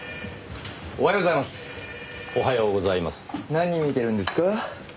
何見てるんですか？